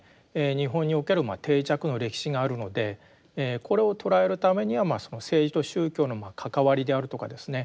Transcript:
日本における定着の歴史があるのでこれを捉えるためには政治と宗教の関わりであるとかですね